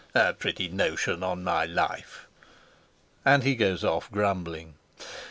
a pretty notion, on my life!" And he goes off grumbling.